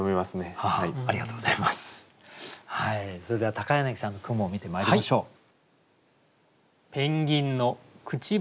それでは柳さんの句も見てまいりましょう。